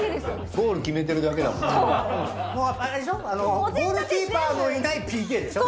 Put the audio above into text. ゴールキーパーのいないＰＫでしょ？